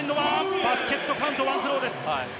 バスケットカウントワンスローです。